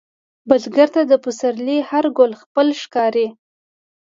بزګر ته د پسرلي هر ګل خپل ښکاري